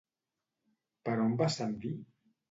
Per on va ascendir?